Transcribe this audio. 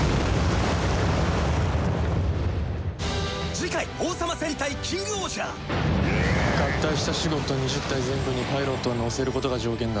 次回『王様戦隊キングオージャー』合体したシュゴッド２０体全部にパイロットを乗せることが条件だ。